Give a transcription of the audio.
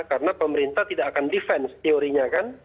karena pemerintah tidak akan defense teorinya kan